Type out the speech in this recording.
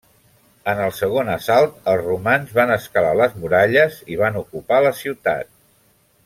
En el segon assalt els romans van escalar les muralles i van ocupar la ciutat.